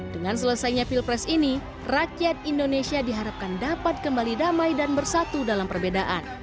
dengan selesainya pilpres ini rakyat indonesia diharapkan dapat kembali damai dan bersatu dalam perbedaan